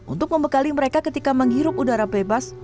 untuk membekali mereka ketika menghirup udara bebas